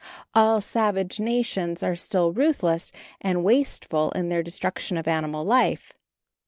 All savage nations are still ruthless and wasteful in their destruction of animal life.